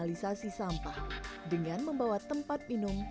ini salah satu segar budaya goa bloyot